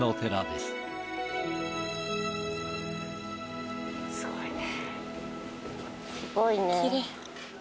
すごいね。